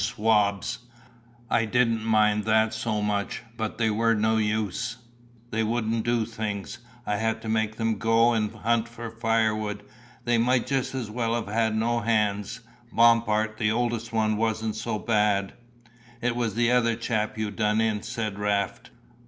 "Swabs." "I didn't mind that so much, but they were no use, they wouldn't do things. I had to make them go and hunt for firewood, they might just as well have had no hands. Bompard, the oldest one wasn't so bad " "It was the other chap you done in," said Raft.